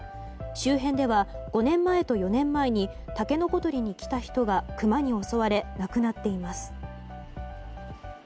周辺では５年前と４年前にタケノコ採りに来た人がクマに襲われ亡くなっています。